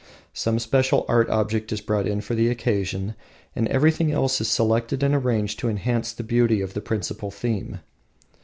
Some special art object is brought in for the occasion, and everything else is selected and arranged to enhance the beauty of the principal theme.